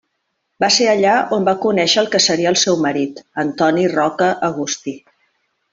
Va ser allà on va conèixer el que seria el seu marit, Antoni Roca Agustí.